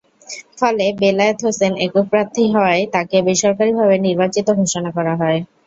ফলে, বেলায়েত হোসেন একক প্রার্থী হওয়ায় তাঁকে বেসরকারিভাবে নির্বাচিত ঘোষণা করা হয়।